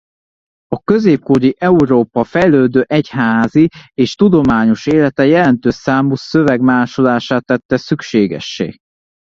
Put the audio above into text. A középkori Európa fejlődő egyházi és tudományos élete jelentős számú szöveg másolását tette szükségessé.